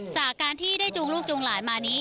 จากการที่ได้จูงลูกจูงหลานมานี้